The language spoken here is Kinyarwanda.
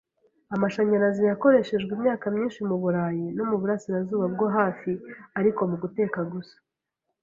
Amashanyarazi yakoreshejwe imyaka myinshi muburayi no muburasirazuba bwo hafi, ariko muguteka gusa.